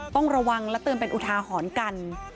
ต้องระวังและเตือนเป็นอุทาหรณ์กัน